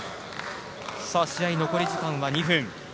試合は残り時間２分。